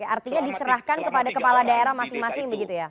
artinya diserahkan kepada kepala daerah masing masing begitu ya